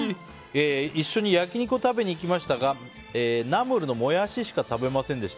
一緒に焼き肉を食べに行きましたがナムルのモヤシしか食べませんでした。